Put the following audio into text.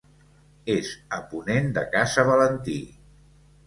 És a ponent de Casa Valentí.